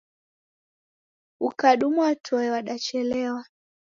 Ukadumwa toe wadachelewa